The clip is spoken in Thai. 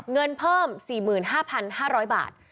เงินเพิ่ม๔๕๕๐๐บาท